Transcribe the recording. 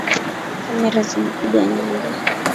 Kamera zimekuja nyingi